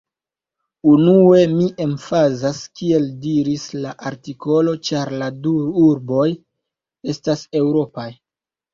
Unue, mi emfazas, kiel diris la artikolo, ĉar la du urboj estas eŭropaj.